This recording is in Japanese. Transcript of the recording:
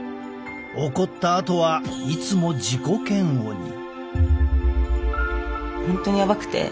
怒ったあとはいつも自己嫌悪に。